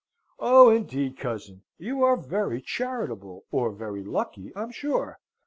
"Oh, indeed, cousin! You are very charitable or very lucky, I'm sure!